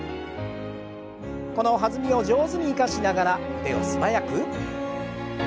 この弾みを上手に生かしながら腕を素早く。